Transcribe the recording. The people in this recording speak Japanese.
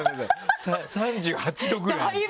３８度ぐらい。